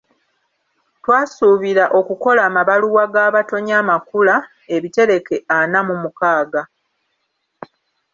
Twasuubira okukola amabaluwa g’abatonye amakula, ebitereke ana mu mukaaga.